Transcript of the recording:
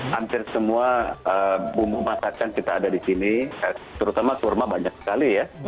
hampir semua bumbu masakan kita ada di sini terutama kurma banyak sekali ya